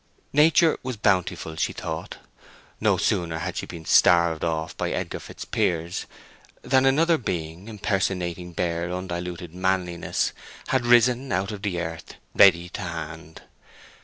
Nature was bountiful, she thought. No sooner had she been starved off by Edgar Fitzpiers than another being, impersonating bare and undiluted manliness, had arisen out of the earth, ready to hand.